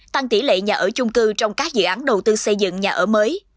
tăng tỷ lệ nhà ở chung cư trong các dự án đầu tư xây dựng nhà ở mới